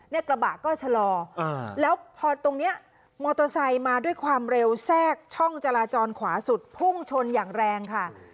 กระบะก็ชะลอแล้วพอตรงเนี้ยมอเตอร์ไซค์มาด้วยความเร็วแทรกช่องจราจรขวาสุดพุ่งชนอย่างแรงค่ะ